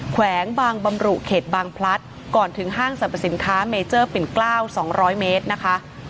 แขวงบางบำรุเขตบางพลัดก่อนถึงห้างสรรพสินค้าเมเจอร์ปิ่นเกล้าว๒๐๐เมตรนะคะ